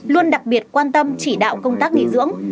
luôn đặc biệt quan tâm chỉ đạo công tác nghỉ dưỡng